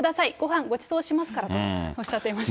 ごはんご馳走しますからとおっしゃっていました。